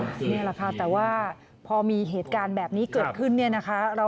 นี่แหละค่ะแต่ว่าพอมีเหตุการณ์แบบนี้เกิดขึ้น